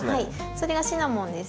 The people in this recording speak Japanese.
それがシナモンです。